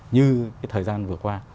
như cái thời gian vừa qua